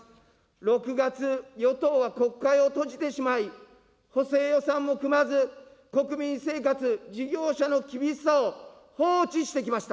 ６月、与党は国会を閉じてしまい、補正予算も組まず、国民生活、事業者の厳しさを放置してきました。